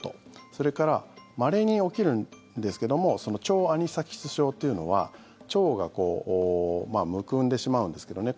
それからまれに起きるんですけども腸アニサキス症というのは腸がむくんでしまうんですけどね